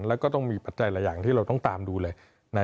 แล้วก็ต้องมีปัจจัยหลายอย่างที่เราต้องตามดูเลย